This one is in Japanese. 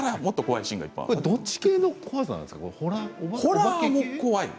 どっち系の怖さなんですか？